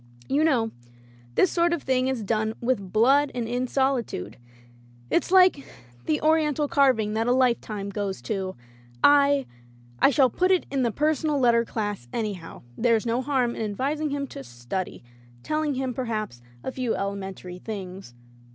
"You know, this sort of thing is done with blood and in solitude. It's like the Oriental carving that a lifetime goes to. I — I shall put it in the personal letter class, anyhow. ... There's no harm in advising him to study — telling him, perhaps, a few elemen tary things.